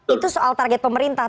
itu soal target pemerintah